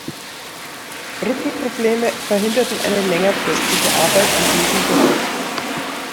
Rückenprobleme verhinderten eine längerfristige Arbeit in diesem Bereich.